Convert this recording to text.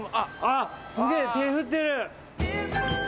すげえ手振ってる